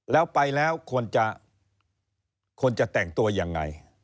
แล้วไปแล้วควรจะควรจะแต่งตัวยังไง